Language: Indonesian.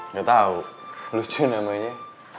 gak tau lucu namanya